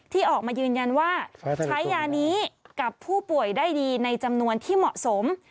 ที่ออกมายืนยันว่าใช้ยานี้กับผู้ป่วยได้ดีในจำนวนที่เหมาะสม